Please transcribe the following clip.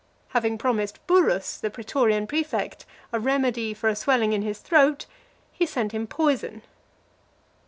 Having promised Burrhus, the pretorian prefect, a remedy for a swelling in his throat, he sent him poison.